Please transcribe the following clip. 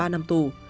ba năm tù